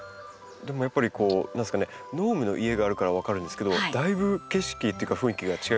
でもやっぱりこうノームの家があるから分かるんですけどだいぶ景色っていうか雰囲気が違いますよね。